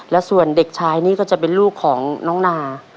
และส่วนเด็กชายนี่ก็จะเป็นลูกของน้องนา